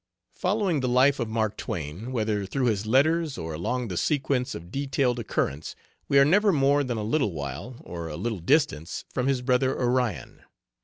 Following the life of Mark Twain, whether through his letters or along the sequence of detailed occurrence, we are never more than a little while, or a little distance, from his brother Orion.